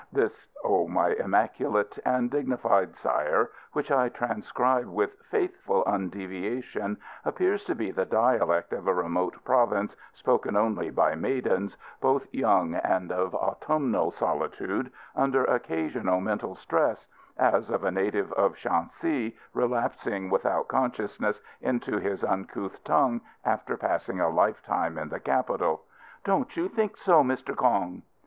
(This, O my immaculate and dignified sire, which I transcribe with faithful undeviation, appears to be the dialect of a remote province, spoken only by maidens both young and of autumnal solitude under occasional mental stress; as of a native of Shan si relapsing without consciousness into his uncouth tongue after passing a lifetime in the Capital.) "Don't you think so too, Mr. Kong?"